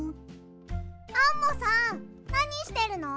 アンモさんなにしてるの？